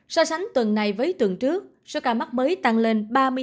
so sánh tuần này với tuần trước số ca mắc mới tăng lên ba mươi hai bảy